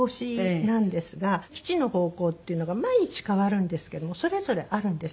吉の方向っていうのが毎日変わるんですけどもそれぞれあるんです。